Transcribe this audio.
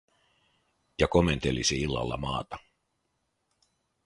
Ja komentelisi illalla maata.